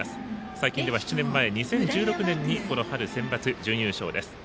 最近では７年前２０１６年にこの春センバツ準優勝です。